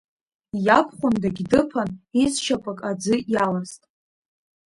Иабхәындагь дыԥан, изшьапык аӡы иаласт.